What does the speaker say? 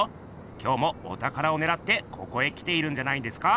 今日もおたからをねらってここへ来ているんじゃないんですか。